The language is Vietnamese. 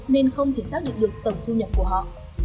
nên không thể xác định được tổng thu nhập của họ